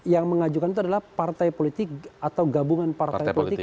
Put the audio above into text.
yang mengajukan itu adalah partai politik atau gabungan partai politik